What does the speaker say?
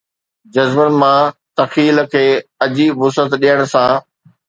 جذبن مان تخيل کي عجيب وسعت ڏيڻ سان